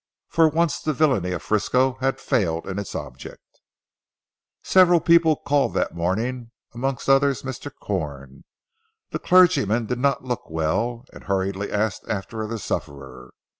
For once the villany of Frisco had failed in its object. Several people called that morning, amongst others Mr. Corn. The clergyman did not look well, and hurriedly asked after the sufferer.